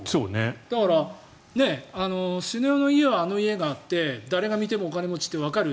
だから、スネ夫の家はあの家があって誰が見てもお金持ちってわかる。